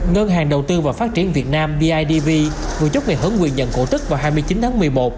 ngân hàng đầu tư và phát triển việt nam bidv vừa chúc ngày hấn quyền nhận cổ tức vào hai mươi chín tháng một mươi một